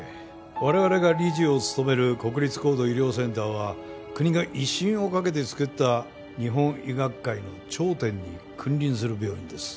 我々が理事を務める国立高度医療センターは国が威信をかけて作った日本医学界の頂点に君臨する病院です。